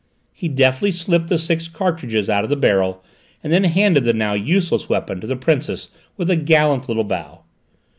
He deftly slipped the six cartridges out of the barrel and then handed the now useless weapon to the Princess with a gallant little bow.